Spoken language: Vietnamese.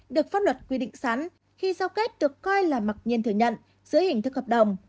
được pháp luật quy định sẵn khi giao kết được coi là mặc nhiên thừa nhận dưới hình thức hợp đồng